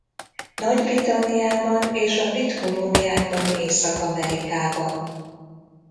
Nagy-Britanniában és a brit kolóniákban Észak-Amerikában.